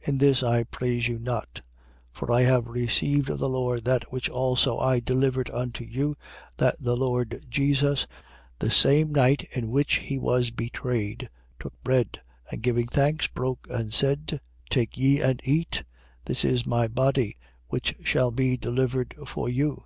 In this I praise you not. 11:23. For I have received of the Lord that which also I delivered unto you, that the Lord Jesus, the same night in which he was betrayed, took bread, 11:24. And giving thanks, broke and said: Take ye and eat: This is my body, which shall be delivered for you.